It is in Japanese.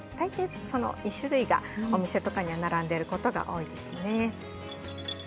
その２種類がお店には並んでいることが多いです。